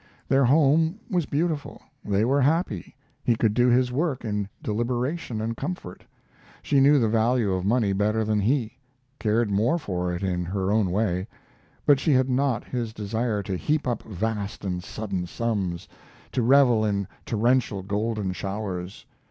Their home was beautiful; they were happy; he could do his work in deliberation and comfort. She knew the value of money better than he, cared more for it in her own way; but she had not his desire to heap up vast and sudden sums, to revel in torrential golden showers.